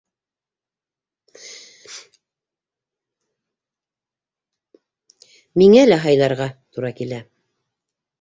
Миңә лә һайларға тура килә: